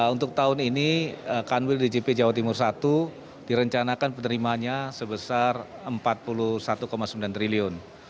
untuk tahun ini kanwil djp jawa timur i direncanakan penerimanya sebesar rp empat puluh satu sembilan triliun